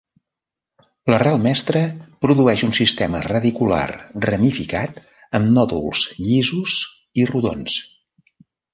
L'arrel mestra produeix un sistema radicular ramificat amb nòduls llisos i rodons.